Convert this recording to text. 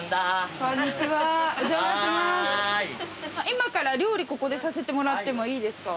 今から料理ここでさせてもらってもいいですか？